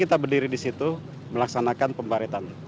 kita berdiri di situ melaksanakan pembaretan